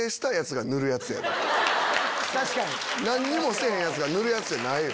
何にもしてへんヤツが塗るやつじゃない。